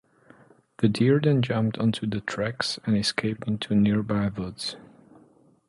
The deer then jumped onto the tracks and escaped into nearby woods.